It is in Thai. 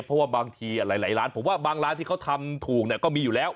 เพราะว่าบางทีหลายร้านผมว่าบางร้านที่เขาทำถูกเนี่ยก็มีอยู่แล้ว